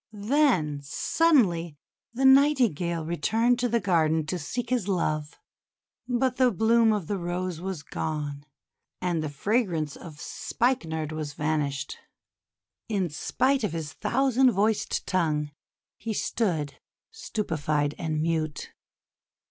Then suddenly the Nightingale returned to the garden to seek his love. But the bloom of the Rose was gone, and the fragrance of Spike nard was vanished. In spite of his thousand voiced tongue, he stood stupefied and mute.